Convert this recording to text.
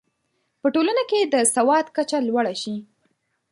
په ټولنه کې د سواد کچه لوړه شي.